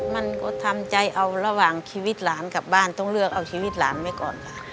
มันก็ทำใจเอาระหว่างชีวิตหลานกลับบ้านต้องเลือกเอาชีวิตหลานไว้ก่อนค่ะ